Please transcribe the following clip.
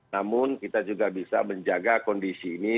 namun kita juga bisa menjaga kondisi ini